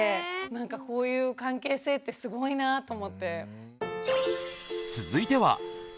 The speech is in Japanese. なんかこういう関係性ってすごいなぁと思って。